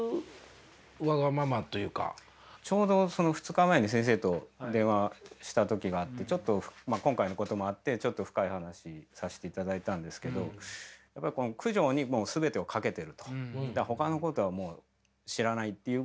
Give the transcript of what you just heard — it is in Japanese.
ちょうど２日前に先生と電話した時があってちょっと今回のこともあってちょっと深い話させていただいたんですけどやっぱりっていうような話があって。